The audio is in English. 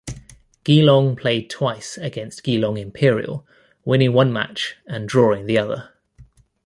Geelong played twice against Geelong Imperial winning one match and drawing the other.